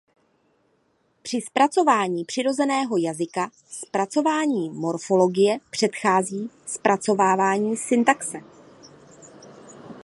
Při zpracování přirozeného jazyka zpracování morfologie předchází zpracování syntaxe.